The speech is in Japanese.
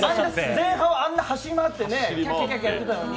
前半はあんなに走り回ってキャッキャやってたのに。